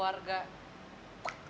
itu bisa turun temurun dalam sebuah keluarga